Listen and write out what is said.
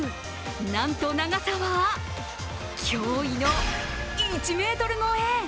なんと長さは驚異の１ｍ超え！